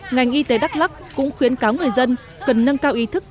ngành y tế đắk lắc cũng khuyến cáo người dân cần nâng cao ý thức